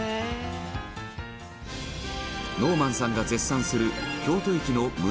ノーマンさんが絶賛する京都駅の胸